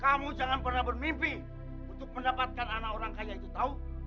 kamu jangan pernah bermimpi untuk mendapatkan anak orang kaya itu tahu